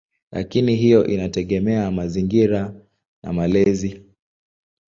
Lakini hiyo inategemea mazingira na malezi.